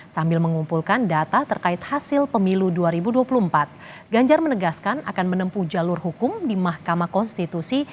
sambil mengumpulkan data terkait hasil pemilu dua ribu dua puluh empat ganjar menegaskan akan menempuh jalur hukum di mahkamah konstitusi